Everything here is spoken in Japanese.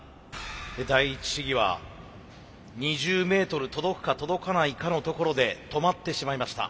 第一試技は２０メートル届くか届かないかのところで止まってしまいました。